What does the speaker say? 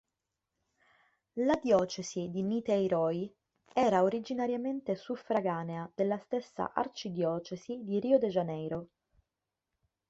La diocesi di Niterói era originariamente suffraganea della stessa arcidiocesi di Rio de Janeiro.